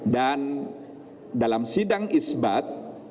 dan dalam sidang isbad